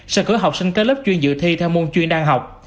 sẽ cử học sinh các lớp chuyên dự thi theo môn chuyên đa học